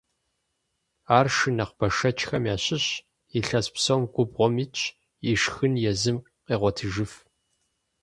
Ар шы нэхъ бэшэчхэм ящыщщ, илъэс псом губгъуэм итщ, и шхын езым къегъуэтыжыф.